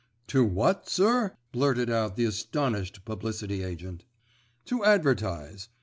"To what, sir?" blurted out the astonished publicity agent. "To advertise.